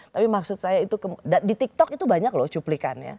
tapi maksud saya itu di tiktok itu banyak loh cuplikannya